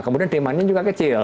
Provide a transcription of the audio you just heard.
kemudian demannya juga kecil